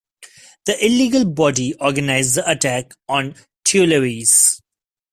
The illegal body organized the attack on Tuileries.